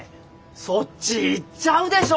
そっち行っちゃうでしょ！